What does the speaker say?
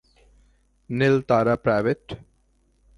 Nil Tara Pvt.